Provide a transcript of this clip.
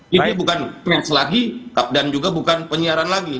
ini bukan tweets lagi dan juga bukan penyiaran lagi